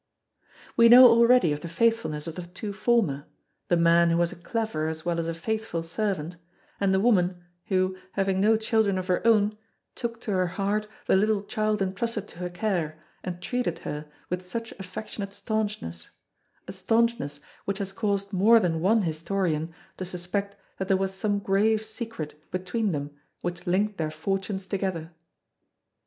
We know already of the faithfulness of the two former, the man who was a clever as well as a faithful servant, and the woman, who having no children of her own, took to her heart the little child entrusted to her care and treated her with such affectionate staunchness a staunchness which has caused more than one historian to suspect that there was some grave secret between them which linked their fortunes together.